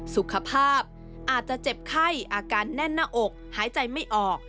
สุขภาพอาจจะเจ็บไข้อาการแน่นหน้าอกหายใจไม่ออก